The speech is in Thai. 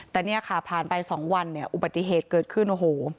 แต่เนี่ยค่ะผ่านไป๒วันเนี่ยอุบัติเหตุเกิดขึ้นโอ้โห